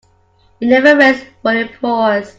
It never rains but it pours.